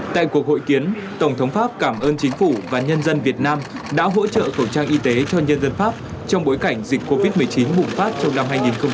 tại cuộc hội kiến tổng thống pháp cảm ơn chính phủ và nhân dân việt nam đã hỗ trợ khẩu trang y tế cho nhân dân pháp trong bối cảnh dịch covid một mươi chín bùng phát trong năm hai nghìn hai mươi